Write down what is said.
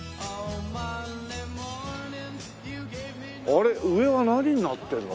あれ上は何になってんの？